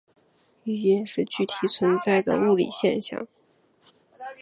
语音是具体存在的物理现象。